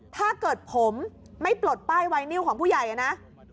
ถ้าเกิดผมไม่ปลดป้ายไวนิวของผู้ใหญ่นะ